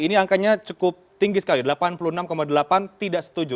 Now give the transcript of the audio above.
ini angkanya cukup tinggi sekali delapan puluh enam delapan tidak setuju